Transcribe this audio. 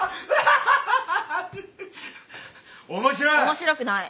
面白い。